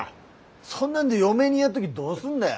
そんなんで嫁にやっとぎどうすんだよ。